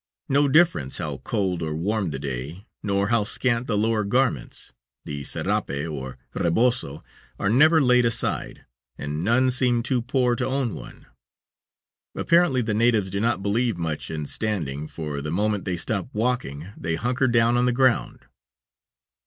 No difference how cold or warm the day, nor how scant the lower garments, the serape and rebozo are never laid aside, and none seem too poor to own one. Apparently the natives do not believe much in standing, for the moment they stop walking they "hunker" down on the ground.